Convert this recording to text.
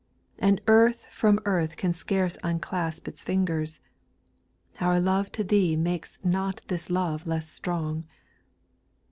And earth from earth can scarce unclasp its fingers. — Our love to Thee makes not this love less strong.